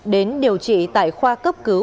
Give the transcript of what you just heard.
đến điều trị tại khoa cấp cứu